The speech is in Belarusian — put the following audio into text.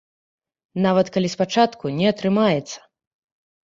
Нават калі спачатку не атрымаецца.